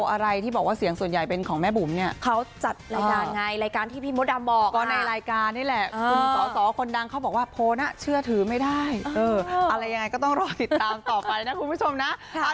อะไรที่บอกว่าเสียงส่วนใหญ่เป็นของแม่บุ๋มเนี่ยเขาจัดรายการไงรายการที่พี่มดดำบอกก็ในรายการนี่แหละคุณสอสอคนดังเขาบอกว่าโพสต์เชื่อถือไม่ได้อะไรยังไงก็ต้องรอติดตามต่อไปนะคุณผู้ชมนะ